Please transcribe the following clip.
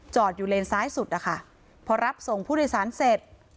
อยู่เลนซ้ายสุดนะคะพอรับส่งผู้โดยสารเสร็จ